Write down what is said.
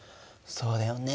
そうだよね。